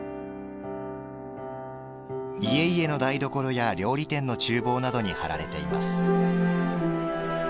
家々の台所や料理店の厨房などに貼られています。